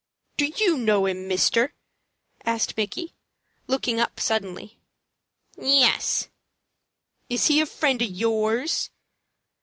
"Do you know him, mister?" asked Micky, looking up suddenly. "Yes." "Is he a friend of yours?"